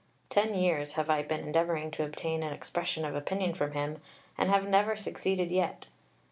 Ten years have I been endeavouring to obtain an expression of opinion from him and have never succeeded yet....